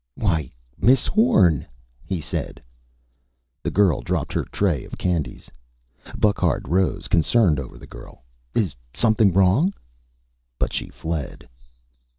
"Why, Miss Horn!" he said. The girl dropped her tray of candies. Burckhardt rose, concerned over the girl. "Is something wrong?" But she fled.